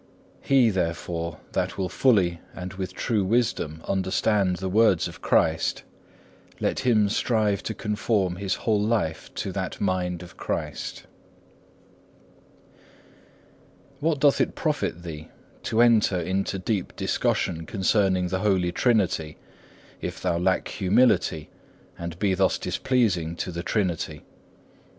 He, therefore, that will fully and with true wisdom understand the words of Christ, let him strive to conform his whole life to that mind of Christ. 3. What doth it profit thee to enter into deep discussion concerning the Holy Trinity, if thou lack humility, and be thus displeasing to the Trinity?